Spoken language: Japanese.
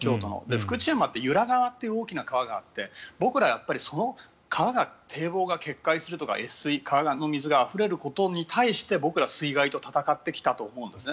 福知山って由良川という大きな川があって僕ら、その川が、堤防が決壊するとか越水、川の水があふれることに対して僕らは水害と戦ってきたと思うんですね。